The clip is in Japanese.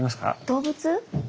動物。